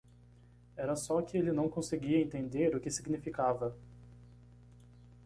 Era só que ele não conseguia entender o que significava.